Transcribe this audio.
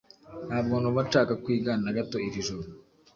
Ntabwo numva nshaka kwiga na gato iri joro